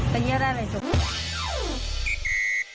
ไปเยี่ยมพอเลยจุ๊ก